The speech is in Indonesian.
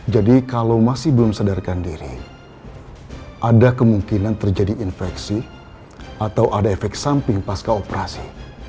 jadi kalau masih belum sadarkan diri ada kemungkinan terjadi infeksi atau ada efek samping pas keoperasi